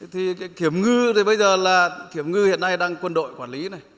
thì cái kiểm ngư thì bây giờ là kiểm ngư hiện nay đang quân đội quản lý này